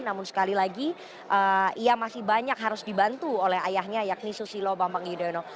namun sekali lagi ia masih banyak harus dibantu oleh ayahnya yakni susilo bambang yudhoyono